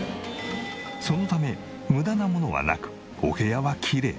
そのため無駄なものはなくお部屋はきれい。